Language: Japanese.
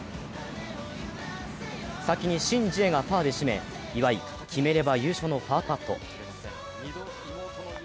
先にシンジエがパーで締め、岩井、決めれば優勝のパーパット。